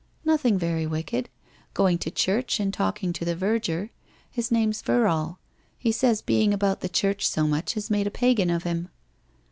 ' Nothing very wicked. Going to church, and talking to (he verger. His name's Verrall. Ee saya being about the church so much has made a pagan of him.'